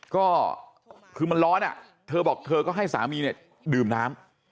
ก็คือมันร้อนเธอบอกเธอก็ให้สามีเนี่ยดื่มน้ำ